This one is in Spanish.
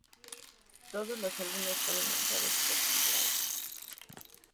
Todos los álbumes fueron lanzados por Lantis.